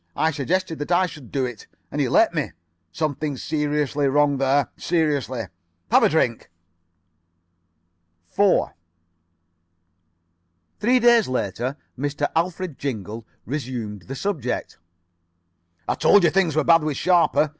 I suggested that I should do it, and he let me. Something seriously wrong there. Seriously. Have a drink." 4 Three days later Mr. Alfred Jingle resumed the subject. "I told you things were bad with Sharper.